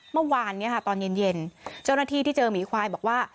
เมื่อวานตอนเย็นเจ้าหน้าที่ที่เจอหมีควายบอกว่า